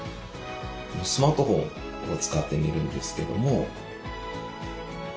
スマートフォンを使ってみるんですけども。